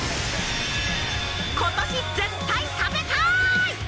今年絶対食べたい！